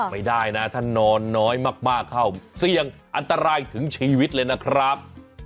ไม่ได้นะถ้านอนน้อยมากเข้าเสี่ยงอันตรายถึงชีวิตเลยนะครับ